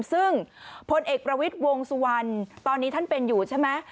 ซึ่งพลเอกประวิทย์วงสุวรรณตอนนี้ท่านเป็นอยู่ใช่ไหม